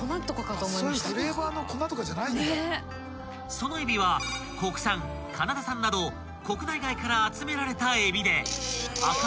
［そのえびは国産カナダ産など国内外から集められたえびで］